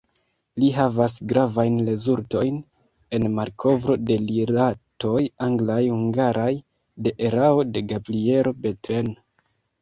Li havas gravajn rezultojn en malkovro de rilatoj anglaj-hungaraj, de erao de Gabrielo Bethlen.